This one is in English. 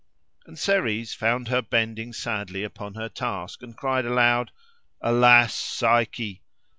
And Ceres found her bending sadly upon her task, and cried aloud, "Alas, Psyche!